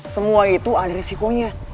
semua itu ada resikonya